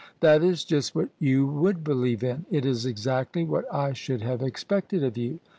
"That is just what you would believe in: it Is exactly what I should have expected of you."